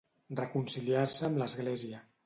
Reconciliar-se amb l'església.